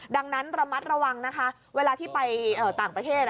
ดังนั้นระมัดระวังนะคะเวลาที่ไปต่างประเทศ